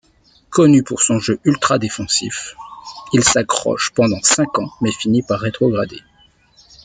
Connu pour son jeu ultra-défensif, il s'accroche pendant cinq ans mais finit par rétrograder.